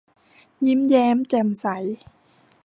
ยิ้มแย้มแจ่มใส